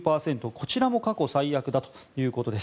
こちらも過去最悪だということです。